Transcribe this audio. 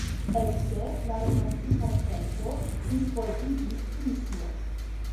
Ekde la romantika tempo disvolviĝis turismo.